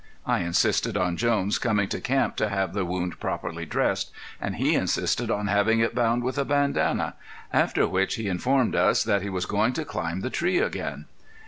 I insisted on Jones coming to camp to have the wound properly dressed, and he insisted on having it bound with a bandana; after which he informed us that he was going to climb the tree again.